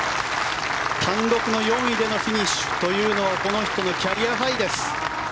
単独の４位でのフィニッシュというのはこの人のキャリアハイです。